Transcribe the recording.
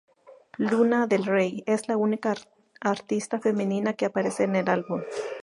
Lana del rey, es la única artista femenina que aparece en el álbum.